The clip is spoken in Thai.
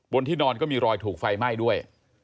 ที่นอนก็มีรอยถูกไฟไหม้ด้วย